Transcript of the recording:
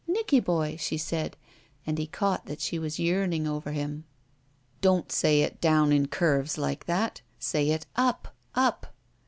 Nicky boy!" she said, and he caught that she was yearning over him. 346 ROULETTE "Dont say it in down curves like that. Say it up. Up."